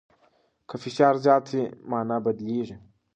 که فشار زیات سي، مانا بدلیږي.